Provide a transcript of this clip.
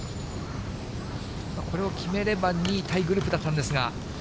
これを決めれば、２位タイグループだったんですが。